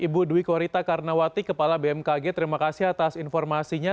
ibu dwi korita karnawati kepala bmkg terima kasih atas informasinya